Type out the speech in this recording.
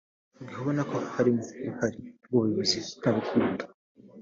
Mu gihe abona ko harimo uruhare rw’ubuyobozi ntabukunda